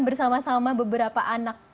bersama sama beberapa anak